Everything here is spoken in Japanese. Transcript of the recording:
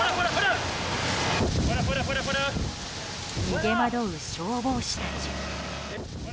逃げ惑う消防士たち。